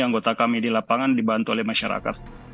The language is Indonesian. anggota kami di lapangan dibantu oleh masyarakat